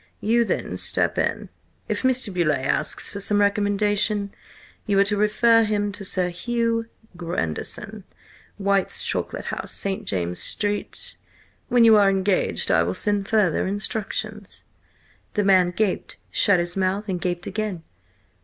You then step in. If Mr. Beauleigh asks for some recommendation, you are to refer him to Sir Hugh Grandison, White's Chocolate House, St. James's Street. When you are engaged I will send further instructions." The man gaped, shut his mouth, and gaped again.